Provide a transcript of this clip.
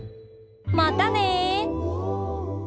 またね！